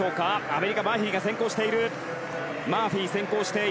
アメリカ、マーフィーが先行している。